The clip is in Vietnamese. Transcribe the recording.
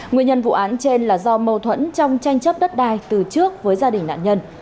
nguyên nhân vụ án trên là do mâu thuẫn trong tranh chấp đất đai từ trước với gia đình nạn nhân